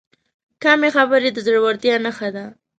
کمې خبرې، د زړورتیا نښه ده.